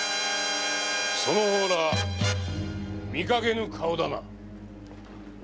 その方ら見かけぬ顔だな？